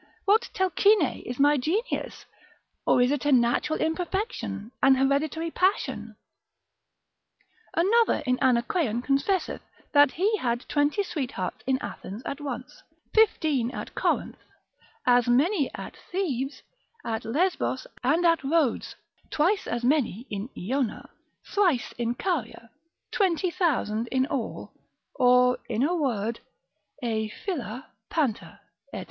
What Telchine is my genius? or is it a natural imperfection, an hereditary passion? Another in Anacreon confesseth that he had twenty sweethearts in Athens at once, fifteen at Corinth, as many at Thebes, at Lesbos, and at Rhodes, twice as many in Ionia, thrice in Caria, twenty thousand in all: or in a word, ἐί φύλλα, πάντα, &c.